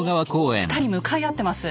２人向かい合ってます。